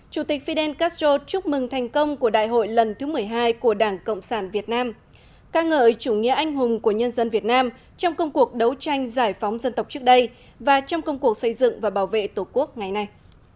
chủ tịch fidel castro chúc mừng thành công của đại hội lần thứ một mươi hai của đảng cộng sản việt nam ca ngợi chủ nghĩa anh hùng của nhân dân việt nam trong công cuộc đấu tranh giải phóng dân tộc trước đây và trong công cuộc xây dựng và bảo vệ tổ quốc ngày nay